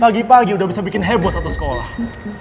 pagi pagi udah bisa bikin heboh satu sekolah